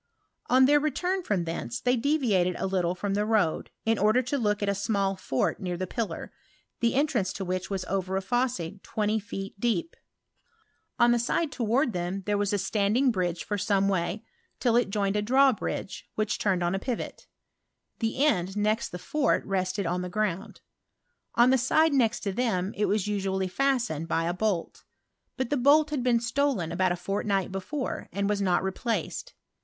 On their return from thence they deviated a little from the road, in order to look at a small fort near the pillar, the entrance to which was over a fosse twenty feet deep. On the side towards UO ntnoBT or ratsiHantT. tfaom, there was a Btandin^ bridge for some tray, till it jointHt n tlrawbriilg'e, wliich turned oo a pivots The enit next the Tort rested on the ground. " Ibo Hide next t» thiun it was usually fastened by a boll ; but thp boll hud been stolen abotit a fortnigbfl bi fore, ftnd was nut replaced.